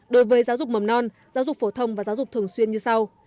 đối với giáo dục mầm non giáo dục phổ thông và giáo dục thường xuyên như sau